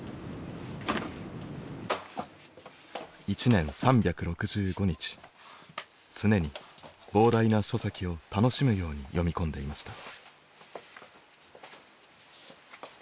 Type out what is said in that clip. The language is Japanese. １年３６５日常に膨大な書籍を楽しむように読み込んでいました。